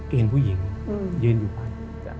เห็นผู้หญิงเย็นอยู่ฟั้น